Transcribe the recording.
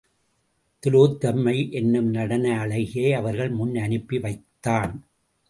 திலோத்தமை என்னும் நடன அழகியை அவர்கள் முன் அனுப்பி வைத்தான்.